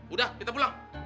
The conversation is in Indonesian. udah kita pulang